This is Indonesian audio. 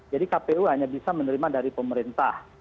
jadi kpu hanya bisa menerima dari pemerintah